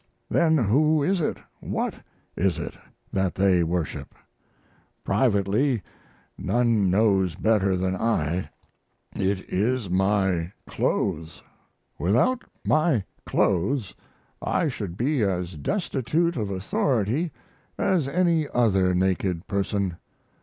Then who is it, what is it, that they worship? Privately, none knows better than I: it is my clothes! Without my clothes I should be as destitute of authority as any other naked person.